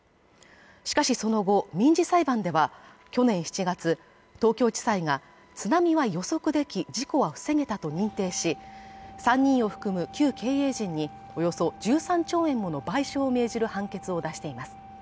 しかしその後、民事裁判では去年７月東京地裁が津波は予測でき事故は防げたと認定し３人を含む旧経営陣におよそ１３兆円もの賠償を命じる判決を出しています